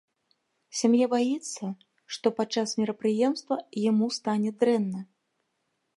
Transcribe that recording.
Сям'я баіцца, што падчас мерапрыемства яму стане дрэнна.